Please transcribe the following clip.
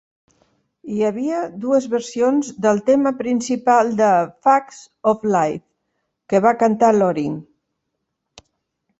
Hi havia dues versions del tema principal de "Facts of Life" que va cantar Loring.